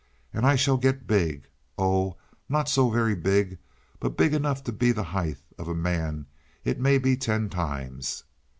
And I shall get big. Oh, not so very big, but big enough to be the height of a man it may be ten times.